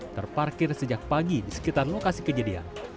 terparkir sejak pagi di sekitar lokasi kejadian